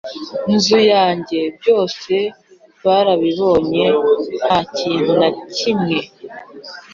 nzu yanjye byose barabibonye Nta kintu na kimwe